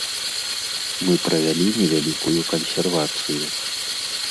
Мы правялі невялікую кансервацыю.